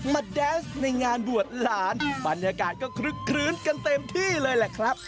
มาแดนส์ในงานบวชหลานบรรยากาศก็คลึกคลื้นกันเต็มที่เลยแหละครับ